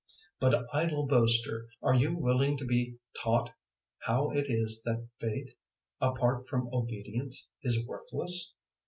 002:020 But, idle boaster, are you willing to be taught how it is that faith apart from obedience is worthless?